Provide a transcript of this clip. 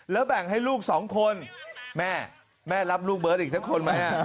แล้วแบ่งให้ลูกสองคนแม่แม่รับลูกเบิร์ตอีกสักคนไหม